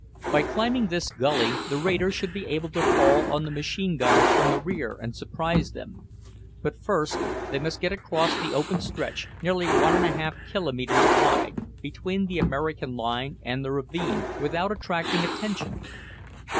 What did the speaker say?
By climbing this gully, the raiders should be able to fall on the machine gunners from the rear and surprise them. But first they must get across the open stretch, nearly one and a half kilometers wide, between the American line and the ravine, without attracting attention.